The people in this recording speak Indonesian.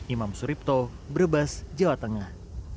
imam suripto brebes jawa tengah